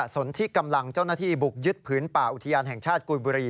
สนที่กำลังเจ้าหน้าที่บุกยึดผืนป่าอุทยานแห่งชาติกุยบุรี